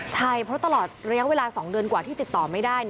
ใช่เพราะตลอดระยะเวลา๒เดือนกว่าที่ติดต่อไม่ได้